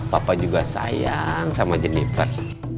papa juga sayang sama jenniper